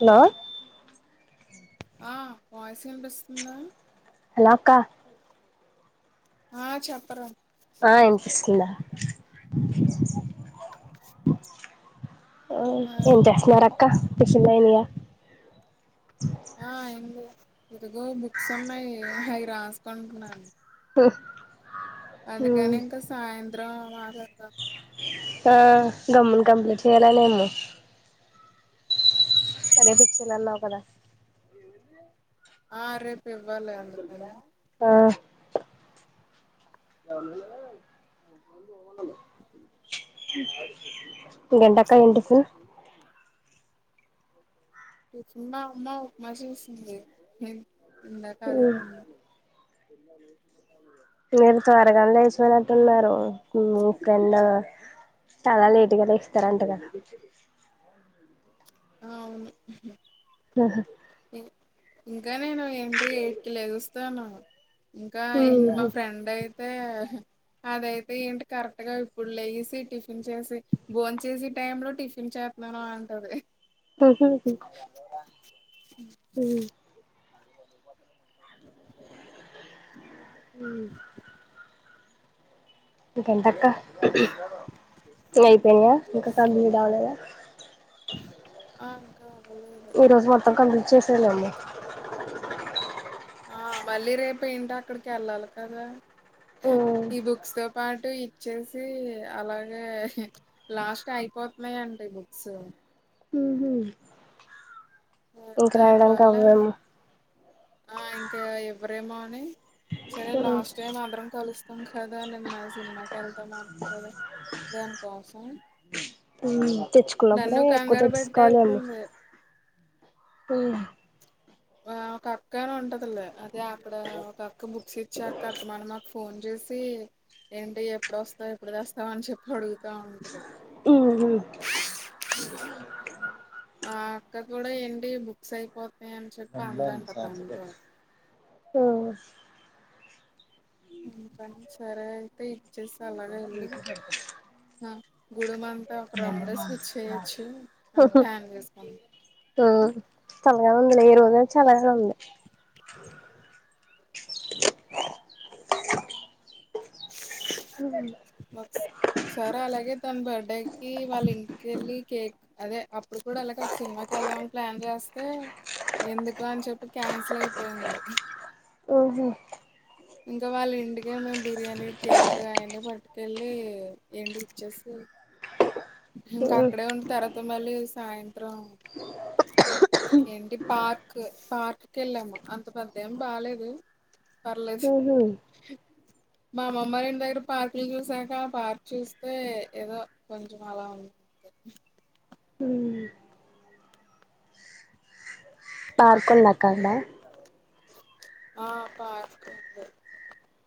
Hello ఆ voice వినిపిస్తుందా హలా అక్క ఆ చెప్పరా ఆ ఇనిపిస్తుందా ఆ ఏం చేస్తున్నారక్క టిఫిన్లు అయినియ ఆ ఏంది ఇదిగో బుక్స్ ఉన్నాయి అవి రాసుకుంటున్న ఉహ్ అందుకనే ఇంకా సాయంత్రం మాట్ల ఆ గొమ్మున కంప్లీట్ చేయాలనేమో సరేపిచ్చలు అన్నావు కదా ఆ రెప్ ఆ ఎ గంటకాయ ఎంటుకు మా అమ్మా ఉప్మా చేసింది ఇందాకా అదే తిన్న మీర్ త్వరగానే లేచిపోయినట్టున్నారు మీ ఫ్రెండ్ చాలా లేట్గా లేస్తారంట గా ఆ అవును ఇంకా నేను ఏంటి ఎయిట్కి లేగుస్తాను ఇంకా ఏంటి మా ఫ్రెండయితే అదయితే ఏంటి కరెక్ట్ గా ఇప్పుడు లేసి టిఫిన్ చేసి బోన్ చేసే టైం లో టిఫిన్ చేత్ నరు అంటది ఉహుహు ఉ ఉ ఇంకెంటక్క ఇంగ అయిపోయినయ ఇంకా కంప్లీట్ అవలేదా ఆ అక్క అవలే ఈ రోజు మొత్తం కంప్లీట్ చేసేయలేమో ఆ మళ్ళీ రేపేంటో అక్కడికెళ్ళాలి కదా ఈ చేసేయాలేమో బుక్స్ తో పాటు ఇచ్చేసి అలాగే లాస్ట్ అయి పోతున్నయండి బుక్సు ఆ ఇంక రాయడానికి దానివల్ల అవ్వేమో ఆ ఇంక ఇవ్వరేమో అని సరే లాస్ట్ టైమ్ అందరం కలుస్తాం కదా నిన్న సినిమాకి వెళ్తాము అనుకోలే దానికోసం ఉ తెచ్చుకున్నప్పుడే నన్ను ఎక్కువ కంగారు తెచ్చెసుకోవాలండీ పెట్టేతుంది ఉ ఆ ఓ అక్క అని ఉంటదిలే అదే అక్కడ ఒక అక్క బుక్స్ ఇచ్చాక అస్తమానం మకు ఫోన్ చేసి ఏంటి ఎప్పుడోస్తావ్ ఎప్పుడు తెస్తావ్ అని చెప్పి అడుగుతా ఉంటది ఉహు ఆ అక్క కూడా ఏంటి బుక్స్ అయిపోత్ య్ అని చెప్పి అందంట తనతోటి ఓస్ ఇంతని సరే అయితే ఇచ్చేసి అలాగే ఎల్లి ఆ గూడెం అంతా ఒక రౌండేస్కోచ్చేయొచ్చు అని ప్లాన్ చేసుకుంది ఆ చల్లగానే ఉందిలే ఈ రోజు చల్లగానే ఉంది ఉ మాక్స్ సరే అలాగే తన బర్త్డే కి వాళ్ళ ఇంటికెళ్ళి కేక్ అదే అప్పుడు కూడా ఇలాగే సినిమాకెళ్దామని ప్లాన్ చేస్తే ఎందుకు అని చెప్పి క్యాన్సిల్ అయిపోయింది ఉహు ఇంకా వాళ్ళింటికే మేము బిర్యానీ కేక్ అయన్ని పట్టుకెళ్ళి ఏండిచ్చేసి ఇంకా అక్కడే ఉండి తర్వాత మళ్ళీ సాయంత్రం [unintelligible] ఏంటి పార్క్ పార్క్ కెళ్ళాము అంత పెద్దేం బాలేేదు పర్లేదు మా అమ్మమ్మ ఇంటి దగ్గర పార్కులు చూసాక పార్క్ చూస్తే ఏదో కొం అలా ఉంది ఊ పార్క్ ఉందక్క అడా ఆ పార్క్ ఉంది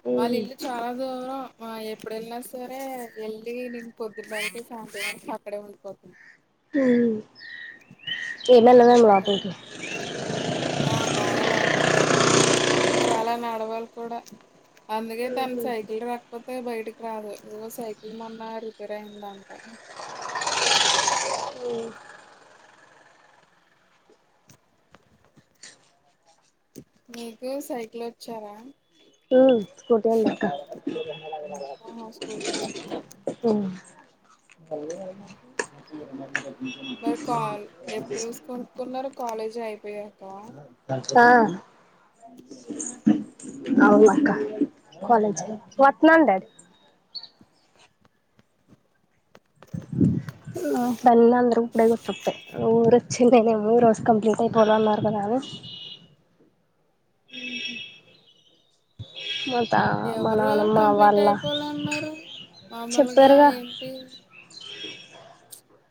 ఇ వాళ్ళిల్లు చాలా దూరం ఆ ఎప్పుడు వెళ్ళిన సరే వెళ్ళి నేను పొద్దున ఎల్లి సాయంత్రం వస్త అక్కడే ఉండిపోతుంది ఊ [unintelligible] లోపలికి ఆ బాగా లోపలికే వెళ్లాలి చాలా నడవాలీ కూడా అందుకే తను సైకిల్ లేకపోతే బయటకి రాదు ఆ సైకిల్ మొన్న రిపేర్ అయిందంట [inaudible] మీకు సైకిల్ వచ్చారా స్కూటి అయితే వచ్చు ఆహ స్కూటీ అంత రాదు కల్ అ మరి కాల్ ఎప్పుడు చూసీ కొనుకున్నారు కాలేజీ అయిపోయాక సా హ అవును అక్క కాలజ్ అయిపోయాక వాట్లుందే స్మెల్ అందరూ ఇప్పుడే గుర్తుతాయి ఊరు వచ్చిండేనేమో రోజు కంప్లీట్ అయిపోదాం అన్నారు కదా అని హ మ్మ్ హ్మ్ మా తా మా ఎవరు నానమ్మ కంప్లీట్ వాళ్ళ అయిపోవాలీ అన్నారు మామూలుగా చెప్పారుగా ఏంటి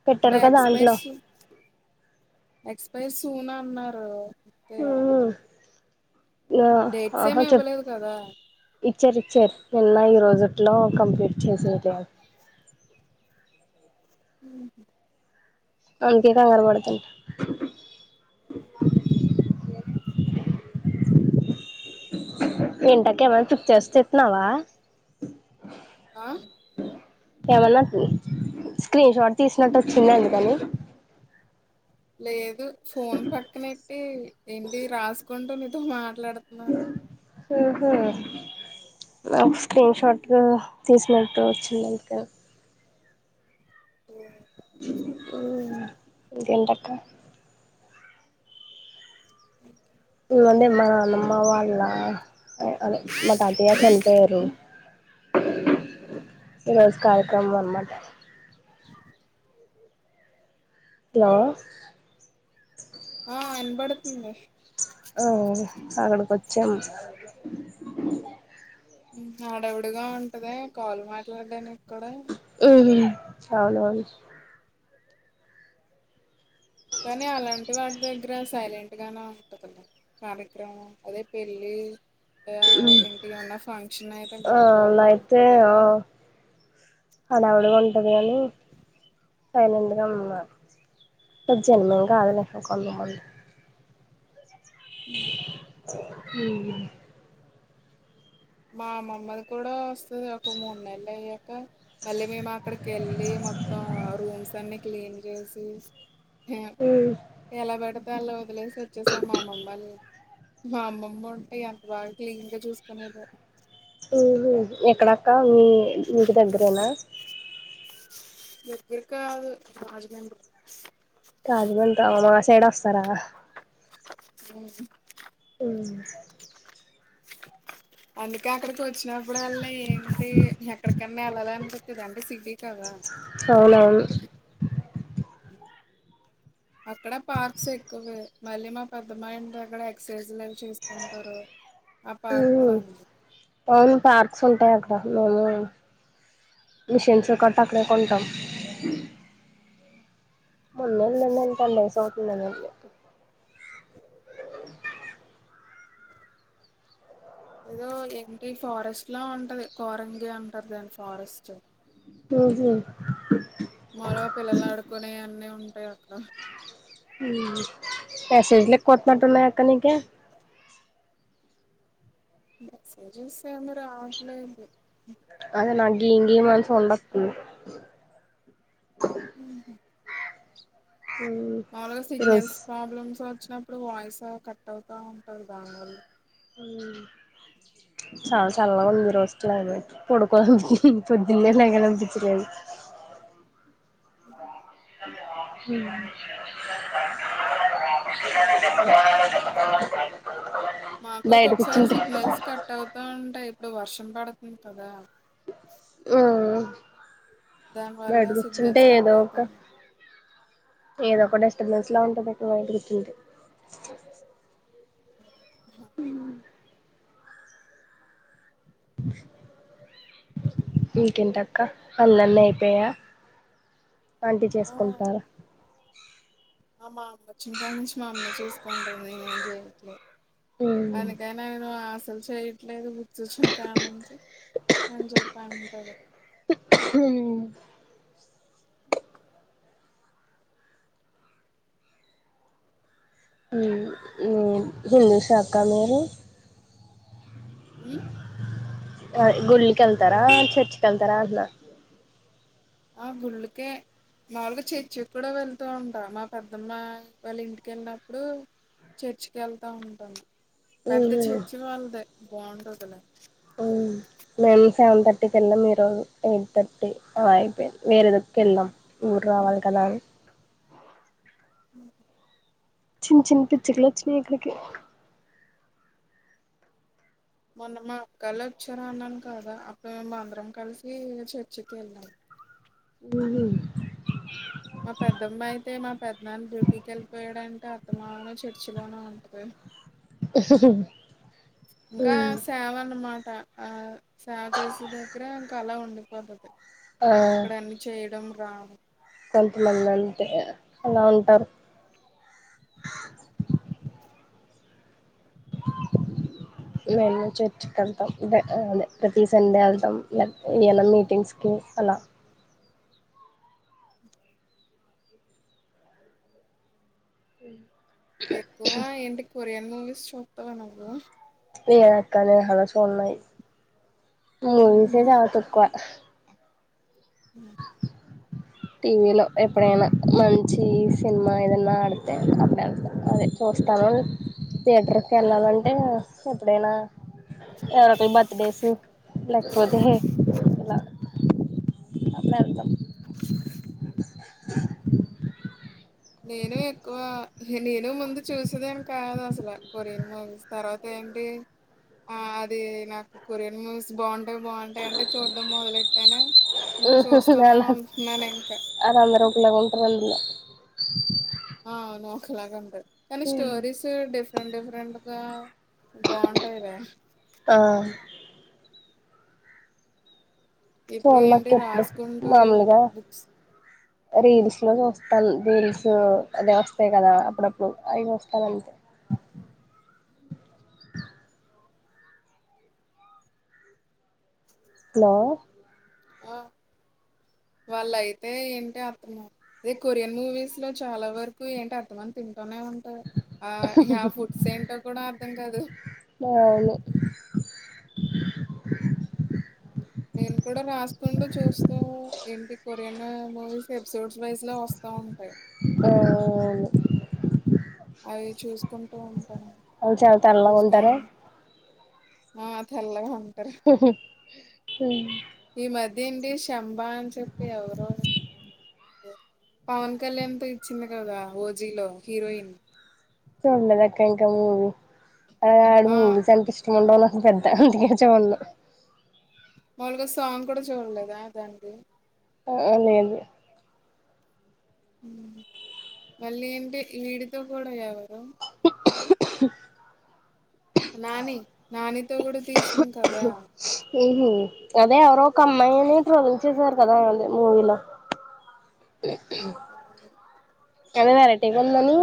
పెట్టారు అంటే కదా ఎక్స్పైర్ దాంట్లో సూ ఎక్స్పైర్ సూన్ అన్నారు అంతే ఆ ఆహా చెప్పు ఇవ్వలేదు కదా ఇచ్చర్ ఇచ్చారు నిన్న ఈ రోజుటులో కంప్లీట్ చేసేద్దా అది ఉహా అందుకే కంగారు పడుతున్న ఇంటా అక్క ఏమైన్నా చుప్ చేస్తేస్తున్నావా ఆ ఏమన్నా స్క్రీన్ షాట్ తీసినట్టు వచ్చింది అందుకని లేదు ఫోన్ పక్కనెట్టి ఏంటి రాసుకుంటూ నీతో మా మాట్లాడుతున్నాను ఆహా నాకు స్క్రీన్ షాట్ తీసినట్టు వచ్చింది అందుకే ఊ ఇంకేంటి అక్క ఏముంది మా అమ్మమ్మ వాళ్ళ మ తాతయా చనిపోయారు ఈరోజు కార్యక్రమం అన్నమాట హలో ఆ వినపడుతంది ఓ అక్కడికి వచ్చాం హడావిడిగా ఉంటదే కాలు మాట్లాడటానికి కూడా ఉహు అవును అవును కానీ అలాంటి వాటి దగ్గ దగ్గర సైలెంట్ గానే ఉంటుంది కార్యక్రమం అదే పెళ్ళి అ ఏంటి ఏమన్నా ఫంక్షన్ అయితే ఆ గోల అలా గోలలా అయితే ఉంటది గానీ హడావిడిగా ఉంటది అని పైన నిండుగా ఉన్నారు ఈ జన్మలో కాదులే కొత్తమంది అ హ్మ్ మా అమమ్మది కూడా వస్తది ఒక మూడు నెలలు అయ్యాక మళ్ళీ మేము అక్కడికి వెళ్ళి మొత్తం ఆ రూమ్స్ అన్ని క్లీన్ చేసి ఎలా పెడితే అలా వదిలేసి వచ్చేసాం మా అమ్మమ్మ లే మా అమ్మమ్మ ఉంటాయి అంత బాగా క్లీన్ గా చూసుకోనేదో ఉహు ఎక్కడక్క మీ నీకు దగ్గరేనా గిర్ గిర్కా గాదు రాజమండ్రి తేడా వస్తారా హు ఉమ్ అందుకే అక్కడికి వచ్చినప్పుడు వల్ల ఏంటి ఎక్కడికన్నా వెళ్ళాలను అనిపిత్తది అండి అవునవును అక్కడ పార్క్స్ ఎక్కువే మళ్ళీ మా పెద్దమ్మ ఇంటి దగ్గరా ఎక్ససైజ్ లు అవి చేసుకుంటారు ఆ పార్క్ కూడా ఉంది అవును పార్క్స్ ఉంటాయి అక్కడ మేము మిషన్స్ [unintelligible] కొంటాం మొన్న వెళ్లిండా అంటాండే సౌత్ [unintelligible] ఏదో ఏంటి ఫారెస్ట్ లా ఉంటది కోరంగి అంటారు దాని ఫారెస్ట్ ఉహు మరో పిల్లలు ఆడుకునే అన్నీ ఉంటాయి అక్కడ ఉమ్ మెసేజ్లు ఎక్కువ వస్తున్నట్లు ఉన్నాయి అక్కా నీకే మెసేజెస్ ఏమి రావట్లేదు అదే నాకు గిమ్ గిమ్ అని సౌండ్ వస్తుంది ఉహు మాములుగా ఈరోజు సిగ్నల్స్ ప్రాబ్లమ్స్ వచ్చినప్పుడు వాయిస్ కట్ అవుతా ఉంటాది దానివల్ల ఉమ్ చాలా చల్లగా ఉంది ఈ రోజు క్లైమేట్ పొడుకోవాలి అనివిస్తుంది పొద్దునే లెగాలి అనిపించలేదు [unintelligible] అ [unintelligible] [unintelligible] మాకు బయట ఒక్కొక్కసారి కూర్చుంటే సిగ్నల్స్ కట్ అవుతా ఉంటాయి ఇప్పుడు వర్షం పడతుంది కదా ఓహో దాని వల్ల సిగ్నల్స్ కట్ అవుతా ఉంటాయి ఏదో ఒక డిస్టబేన్స్ లా ఉంటది ఇటు బయట కూర్చుంటే ఉమ్ బ ఇంకేంటి అక్క పనులన్నీ అయిపోయాయా ఆంటీ ఆ, చేసుకుంటార ఆ మా అమ్మ వచ్చిన కాడ ఉమ్ అందుకే నేను ఆశలు చేయట్లేదు బుక్స్ వచ్చినకాడ నుంచి అని చెప్పి అంటాది [inaudible] హిందీషాక్క మీరు ఉమ్ ఆ గుళ్కి వెళ్తారా చర్చికి వెళ్తారా అంటున్నా ఆ గుళ్ళకే మాలుగా చర్చికి కూడా వెళ్తూ ఉంటా మా పెద్దమ్మ వాళ్ళ ఇంటిక వెళ్ళినప్పుడు చర్చికి వెళ్తా ఉంటను పెద్ద చర్చి వాళ్ళది బాగుంటదిలే ఉమ్ మేము సెవెన్ థర్టీకి వెళ్ళాం మీరోజు ఎయిట్ థర్టీ అలా అయిపోయాంది వేరే దుక్కుకి వెళ్ళాం ఊరు రావాలి కదా అని అ చిన్న చిన్న పిచ్చుకులు వచ్చినాయి ఇక్కడికి మొన్న మా అక్కళ వచ్చారా అన్నాను కదా అప్పుడు మేము అందరం కలిసి చర్చికి వెళ్ళాము ఉహు మా పెద్దమ్మ అయితే మా పెద్ద నాన్న డ్యూటీకి వెళ్ళిపోయాడంటే ఆస్తమను చర్చిలోనే వుంటది [inaudible] ఇంకా సేవ అన్నమాట ఆ సేవ చేసే దగ్గర ఇంక అలా ఉండిపోతది ఆ ఇక్కడ అన్ని చేయడం రావడం కొంతమంది అంతే అలా ఉంటారు [inaudible] [inaudible] మేము చర్చికి వెళ్తాం అదే ప్రతి సండే వెళ్తాం ఏవన్నా మీటింగ్స్ కి లా [inaudible] ఎక్కువ ఏంటి కొరియన్ మూవీస్ చూస్తావా నువ్వు [unintelligible] [unintelligible] ఉన్నాయి మూవీస్ ఏ మ్మ్. చాలా తక్కువ హామ్ టీవీలో ఎప్పుడైనా మంచి సినిమా ఏదన్నా ఆడితే అప్పుడు వెళ్తా అదే ఇస్తానం థియేటర్కి వెళ్ళాలంటే ఎప్పుడైనా ఎవరిదన్న బర్త్ డేస్ లేకపోతే ఎలా అప్పుడు వెళ్తాం [unintelligible] నేను ఎక్కువ నేను ముందు చూసేదాన్ని కాదు అసలు కొరియన్ మూవీస్ తర్వాత అంటే ఆ అది నాకు కొరియన్ మూవీస్ బాగుంటే అవి బాగుంటాయి అంటే చూడ్డం మొదలెట్టేనే ఇంక చూస్తూనే అలా ఉంటున్నాను ఇంకా అది అందరూ ఒకేలాగా ఉంటారు అందులో [unintelligible] ఆ అవును ఒకలాగా ఉంటారు కానీ స్టోరీస్ డిఫరెంట్ డిఫరెంట్ డిఫరెంట్ గా బాగుంటాయి ర ఆ ఇప్పుడు ఏంటి చూడనక్క ఎప్పుడు రాసుకుంటూ మామూలుగా బుక్స్ రీల్స్ లో చూస్తా రీల్స్ అదే వస్తాయి కదా అప్పుడప్పుడు అవి చూస్తాను అంతే హలో వాళ్ళ అయితే ఏంటి అర్థమ అదే కొరియన్ మూవీస్ లో చాలా వరకు ఏంటి అర్థమని తి నే ఉంటారు ఆ ఆ ఫుడ్స్ ఏంటో కూడా అర్ధం కాదు అవును నేను కూడా ఎప్పుడన్నా మూవీస్ ఎపిసోడ్స్ వైజ్ లో వస్తా ఉంటాయి ఆ అవును అవి చూసుకుంటూ ఉంటా వాళ్ళు చాలా తెల్లగా ఉంటారే ఆ తెల్లాగా ఉంటా [inaudible] ఈ మధ్య ఏంటి శంబా అని చెప్పి ఎవరో పవన్ కళ్యాణ్ తో ఇచ్చింది కదా ఓజీలో హీరోయిన్ చూడలేదక్క ఇంకా మూవి అ ఆడు ఆ మూవీస్ అంటే ఇష్టముండవు నాకు పెద్ద అందుకే చూడను మాములుగా సాంగ్ కూడా చూడలేదా దానికి ఆ లేదు మళ్ళీ ఏంటి వీడితో కూడా ఎవరు [inaudible] నాని నానితో కూడా తీసింది కదా హుహు అదే ఎవరో ఒక అమ్మాయని ట్రోలింగ్ చేసారు కదా మూవీలో [unintelligible] అదే మరి వెరటీగా ఉందని